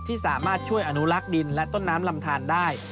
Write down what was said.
ที่สามารถช่วยอนุลักษ์ดินและต้นน้ำลำทานได้